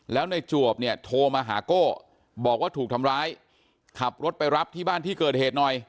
แล้วในจวบเนี่ยโทรมาหาโก้บอกว่าถูกทำร้ายขับรถไปรับที่บ้านที่เกิดเหตุหน่อย